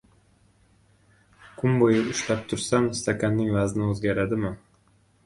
– Kun boʻyi ushlab tursam, stakanning vazni oʻzgaradimi?